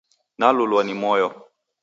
Nalulwa ni moyo!